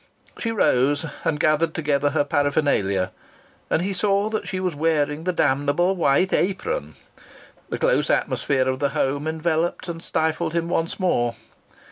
She rose and gathered together her paraphernalia, and he saw that she was wearing the damnable white apron. The close atmosphere of the home enveloped and stifled him once more.